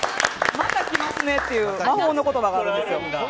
また来ますねっていう魔法の言葉があるんですよ。